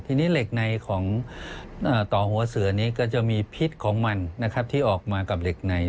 ทีนี้เหล็กในของต่อหัวเสือนี้ก็จะมีพิษของมันที่ออกมากับเหล็กใน